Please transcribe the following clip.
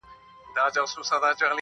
• نو د وینو په سېلاب کي ستاسی کوردی -